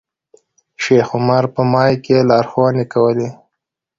شیخ عمر په مایک کې لارښوونې کولې.